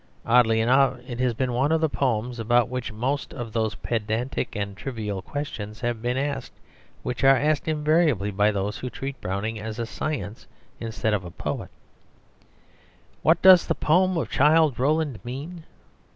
Oddly enough it has been one of the poems about which most of those pedantic and trivial questions have been asked, which are asked invariably by those who treat Browning as a science instead of a poet, "What does the poem of 'Childe Roland' mean?"